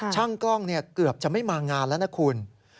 ช่างกล้องเกือบจะไม่มางานแล้วนะคุณ